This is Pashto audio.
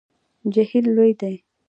جهیل لوی دی